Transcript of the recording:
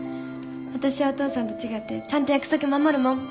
私はお父さんと違ってちゃんと約束守るもん。